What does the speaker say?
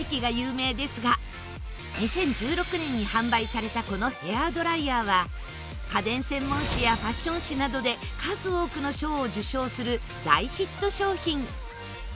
２０１６年に販売されたこのヘアドライヤーは家電専門誌やファッション誌などで数多くの賞を受賞する大ヒット商品。